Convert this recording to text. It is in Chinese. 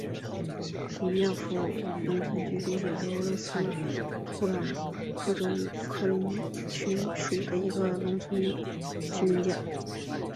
古廖夫卡农村居民点是俄罗斯联邦布良斯克州克林齐区所属的一个农村居民点。